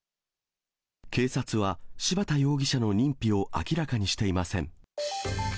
警察は、柴田容疑者の認否を明らかにしていません。